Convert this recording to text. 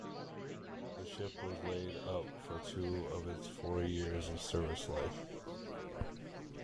The ship was laid up for two of its four years of service life.